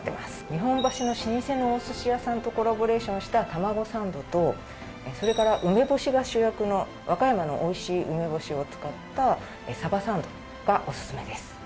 日本橋の老舗のお寿司屋さんとコラボレーションした玉子サンドとそれから梅干しが主役の和歌山のおいしい梅干しを使ったサバサンドがオススメです